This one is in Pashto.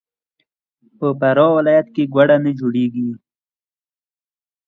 په فراه ولایت کې ګوړه نه جوړیږي.